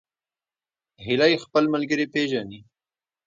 هیلۍ خپل ملګري پیژني